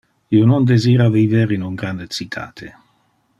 Io non desira viver in un grande citate.